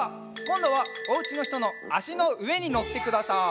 こんどはおうちのひとのあしのうえにのってください。